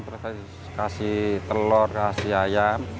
terus kasih telur kasih ayam